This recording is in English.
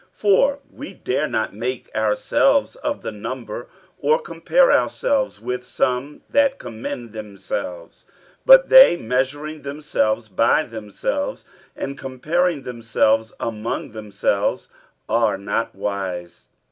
47:010:012 For we dare not make ourselves of the number, or compare ourselves with some that commend themselves: but they measuring themselves by themselves, and comparing themselves among themselves, are not wise.